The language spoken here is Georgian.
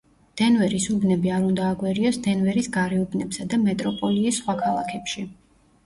დენვერის უბნები არ უნდა აგვერიოს დენვერის გარეუბნებსა და მეტროპოლიის სხვა ქალაქებში.